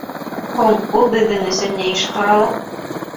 — Һуң ул беҙҙең өсөн ни эш ҡыра ала?